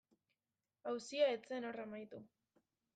Auzia ez zen hor amaitu.